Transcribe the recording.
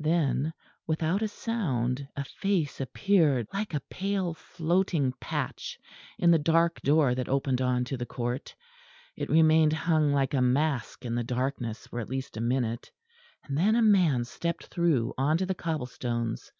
Then without a sound a face appeared like a pale floating patch in the dark door that opened on to the court. It remained hung like a mask in the darkness for at least a minute; and then a man stepped through on to the cobblestones.